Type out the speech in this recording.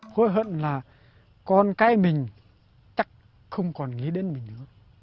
hối hận là con cái mình chắc không còn nghĩ đến mình nữa